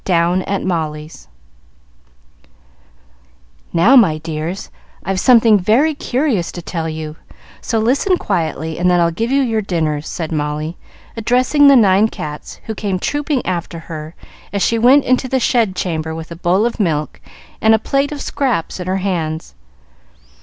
Down at Molly's "Now, my dears, I've something very curious to tell you, so listen quietly and then I'll give you your dinners," said Molly, addressing the nine cats who came trooping after her as she went into the shed chamber with a bowl of milk and a plate of scraps in her hands.